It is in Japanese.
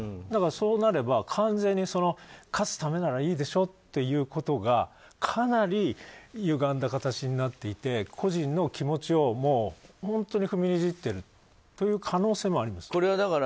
だから、そうなれば完全に勝つためならいいでしょということがかなりゆがんだ形になっていて個人の気持ちを踏みにじっているという可能性もあります。